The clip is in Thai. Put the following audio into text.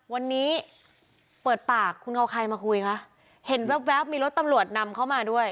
วันนี้เปิดปากคุณเอาใครมาคุยคะเห็นแวบมีรถตำรวจนำเข้ามาด้วย